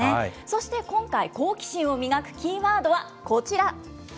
そして今回、好奇心を磨くキーワードはこちら。